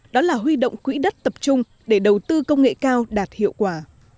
đó là huy động quỹ đất tập trung để đầu tư công nghệ cao đạt hiệu quả